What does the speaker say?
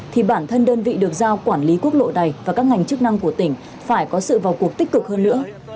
thì bản thân đơn vị được giao quản lý quốc lộ này và các ngành chức năng của tỉnh phải có sự vào cuộc tích cực hơn nữa